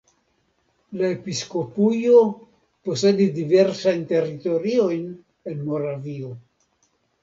La episkopujo posedis diversajn teritoriojn en Moravio.